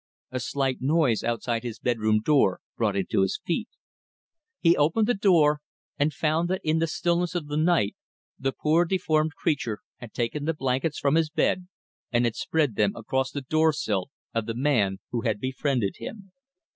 A slight noise outside his bed room door brought him to his feet. He opened the door and found that in the stillness of the night the poor deformed creature had taken the blankets from his bed and had spread them across the door sill of the man who had befriended him.